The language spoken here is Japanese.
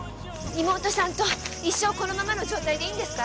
妹さんと一生このままの状態でいいんですか？